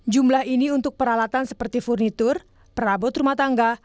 jumlah ini untuk peralatan seperti furnitur perabot rumah tangga